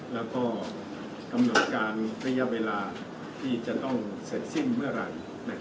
แล้วก็กำหนดการระยะเวลาที่จะต้องเสร็จสิ้นเมื่อไหร่